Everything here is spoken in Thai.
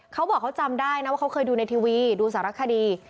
เขาบอกเขาจำได้นะว่าเขาเคยดูในทีวีดูสารคดี